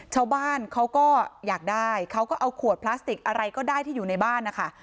ชาวบ้านเขาก็อยากได้เขาก็เอาขวดพลาสติกอะไรก็ได้ที่อยู่ในบ้านนะคะ